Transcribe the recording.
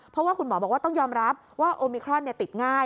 เพราะว่าคุณหมอบอกว่าต้องยอมรับว่าโอมิครอนติดง่าย